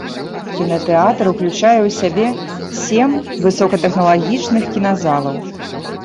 Кінатэатр уключае ў сябе сем высокатэхналагічных кіназалаў.